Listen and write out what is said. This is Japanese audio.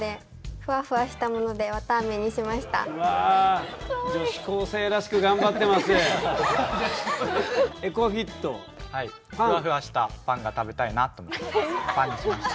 ふわふわしたパンが食べたいなと思ってパンにしました。